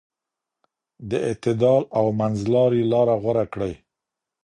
د اعتدال او منځlarۍ لار غوره کړئ.